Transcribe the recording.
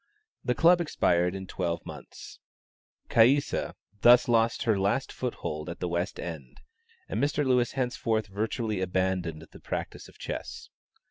The club expired in twelve months. Caïssa thus lost her last foothold at the West End, and Mr. Lewis henceforth virtually abandoned the practice of chess.